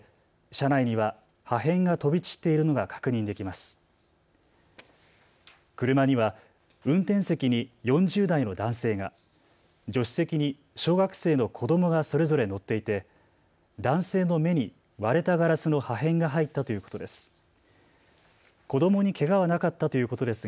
車には運転席に４０代の男性が、助手席に小学生の子どもがそれぞれ乗っていて男性の目に割れたガラスの破片が入ったということです。